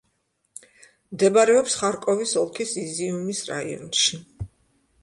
მდებარეობს ხარკოვის ოლქის იზიუმის რაიონში.